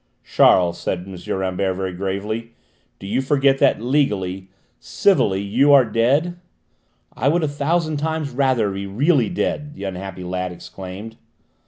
"Charles," said M. Rambert very gravely, "do you forget that legally, civilly, you are dead?" "I would a thousand times rather be really dead!" the unhappy lad exclaimed.